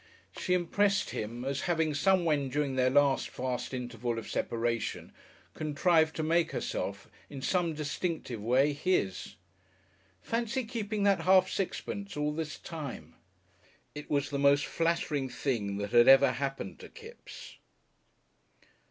She impressed him as having somewhen during their vast interval of separation contrived to make herself in some distinctive way his. Fancy keeping that half sixpence all this time! It was the most flattering thing that had ever happened to Kipps.